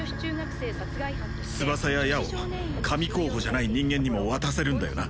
翼や矢を神候補じゃない人間にも渡せるんだよな？